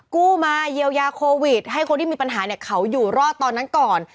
กู้มาเยียวยาโควิดให้คนที่มีปัญหาเนี่ยเขาอยู่รอดตอนนั้นก่อน